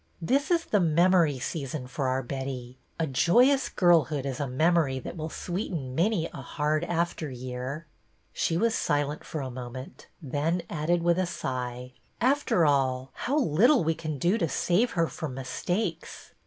This is the memory season for our Betty. A joyous girlhood is a memory that will sweeten many a hard after year." She was silent for a moment, then added, with a sigh: After all, how little we can do to save her from mistakes !